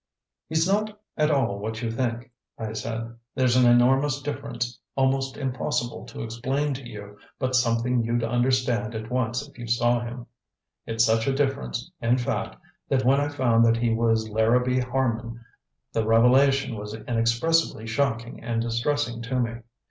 "He's not at all what you think," I said. "There's an enormous difference, almost impossible to explain to you, but something you'd understand at once if you saw him. It's such a difference, in fact, that when I found that he was Larrabee Harman the revelation was inexpressibly shocking and distressing to me.